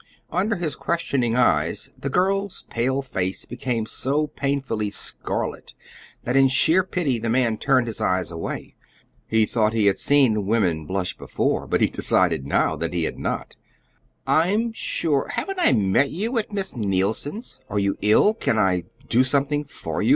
Under his questioning eyes the girl's pale face became so painfully scarlet that in sheer pity the man turned his eyes away. He thought he had seen women blush before, but he decided now that he had not. "I'm sure haven't I met you at Miss Neilson's? Are you ill? Can't I do something for you?"